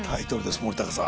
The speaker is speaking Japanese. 森高さん。